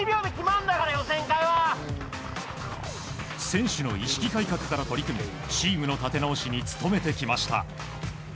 選手の意識改革から取り組みチームの立て直しに努めてきました。